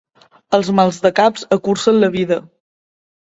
Els maldecaps acurcen la vida.